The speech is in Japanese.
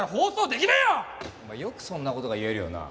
お前よくそんな事が言えるよな。